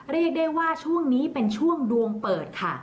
เรียกได้ว่าช่วงนี้เป็นช่วงดวงเปิดค่ะ